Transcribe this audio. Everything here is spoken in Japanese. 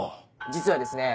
実はですね